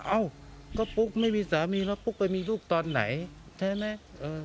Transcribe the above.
เอ้าก็ปุ๊กไม่มีสามีแล้วปุ๊กไปมีลูกตอนไหนใช่ไหม